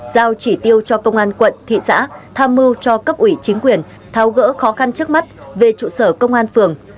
giao chỉ tiêu cho công an quận thị xã tham mưu cho cấp ủy chính quyền tháo gỡ khó khăn trước mắt về trụ sở công an phường